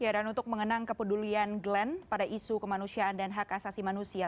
dan untuk mengenang kepedulian glenn pada isu kemanusiaan dan hak asasi manusia